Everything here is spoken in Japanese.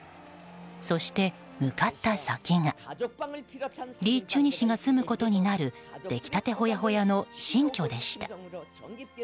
そして、向かった先がリ・チュニ氏が住むことになるできたてほやほやの新居でした。